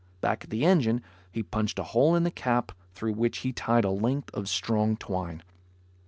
Back at the engine, he punched a hole in the cap, through which he tied a length of strong twine.